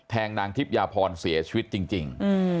นางทิพยาพรเสียชีวิตจริง